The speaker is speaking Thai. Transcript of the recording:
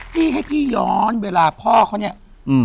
พ่อเขาเนี่ยอืม